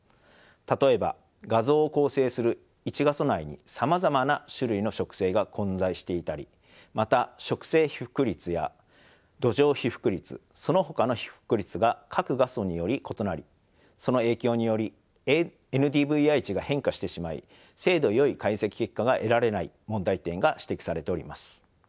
例えば画像を構成する１画素内にさまざまな種類の植生が混在していたりまた植生被覆率や土壌被覆率そのほかの被覆率が各画素により異なりその影響によりＮＤＶＩ値が変化してしまい精度よい解析結果が得られない問題点が指摘されております。